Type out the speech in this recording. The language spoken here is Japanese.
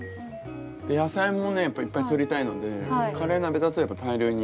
野菜もねいっぱいとりたいのでカレー鍋だと大量に。